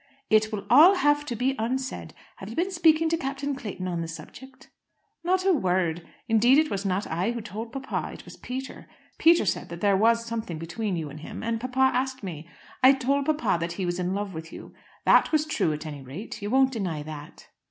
"It will all have to be unsaid. Have you been speaking to Captain Clayton on the subject?" "Not a word. Indeed it was not I who told papa. It was Peter. Peter said that there was something between you and him, and papa asked me. I told papa that he was in love with you. That was true at any rate. You won't deny that?"